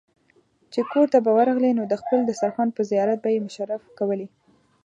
چې کورته به ورغلې نو د خپل دسترخوان په زيارت به يې مشرف کولې.